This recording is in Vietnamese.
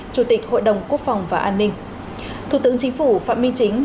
chủ tịch hội đồng quốc phòng và an ninh thủ tướng chính phủ phạm minh chính